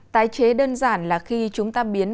tái chế đơn giản là khi chúng ta biến